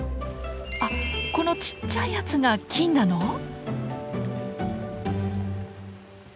あこのちっちゃいやつが金なの？